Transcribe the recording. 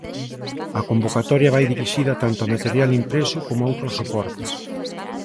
A convocatoria vai dirixida tanto a material impreso como a outros soportes.